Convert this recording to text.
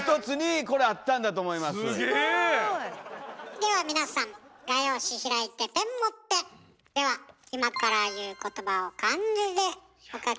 では皆さん画用紙開いてペン持って！では今から言うことばを漢字でお書き下さい。